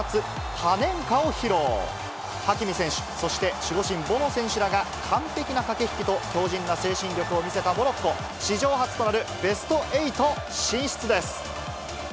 ハキミ選手、そして、守護神、ボノ選手らが完璧な駆け引きと強じんな精神力を見せたモロッコ、史上初となるベスト８進出です。